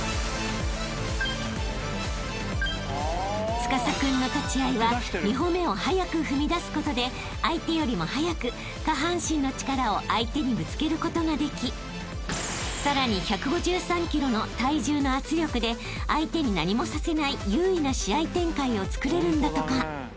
［司君の立ち合いは２歩目を早く踏みだすことで相手よりも早く下半身の力を相手にぶつけることができさらに１５３ｋｇの体重の圧力で相手に何もさせない優位な試合展開をつくれるんだとか］